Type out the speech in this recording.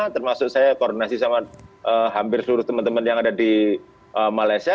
termasuk saya koordinasi sama hampir seluruh teman teman yang ada di malaysia